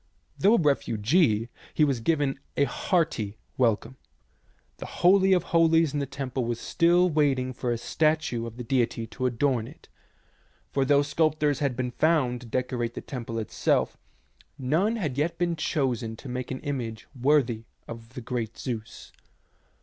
Though a refugee, he was given a hearty welcome. The holy of holies in the temple was still waiting for a statue of the deity to adorn it, for though sculptors had been found to decorate the temple itself, none had yet been chosen to make an image worthy of the great Zeus.